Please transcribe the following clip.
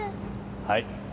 はい。